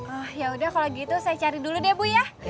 ah ya udah kalau gitu saya cari dulu deh bu ya